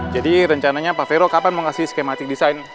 jadi rencananya pak vero kapan mau kasih skematik desain